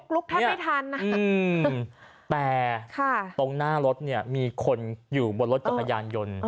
ลุกแทบไม่ทันนะแต่ตรงหน้ารถเนี่ยมีคนอยู่บนรถจักรยานยนต์